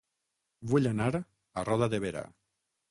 Vull anar a Roda de Berà